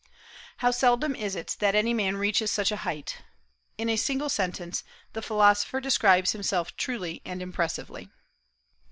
How seldom is it that any man reaches such a height! In a single sentence the philosopher describes himself truly and impressively.